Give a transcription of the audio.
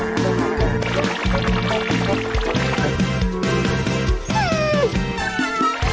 เวลาส้มเวลาแก่ใจรอดรอดแก่อาจจะเกลียดเยอะมะ